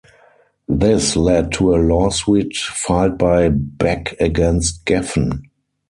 This led to a lawsuit filed by Beck against Geffen.